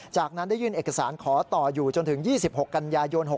จากนั้นได้ยื่นเอกสารขอต่ออยู่จนถึง๒๖กันยายน๖๖